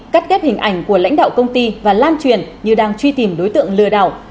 cắt ghép hình ảnh của lãnh đạo công ty và lan truyền như đang truy tìm đối tượng lừa đảo